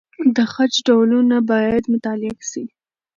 د خج ډولونه باید مطالعه سي.